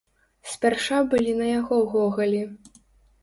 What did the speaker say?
Спярша былі на яго гогалі.